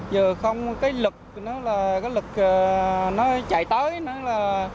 giờ không cái lực nó là cái lực nó chạy tới nó là